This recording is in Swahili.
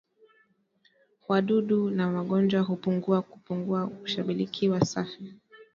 wadudu na magonjwa hupungua hupongua shambalikiwa safi